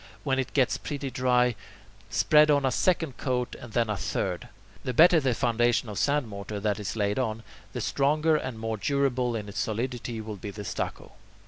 When it gets pretty dry, spread on a second coat and then a third. The better the foundation of sand mortar that is laid on, the stronger and more durable in its solidity will be the stucco.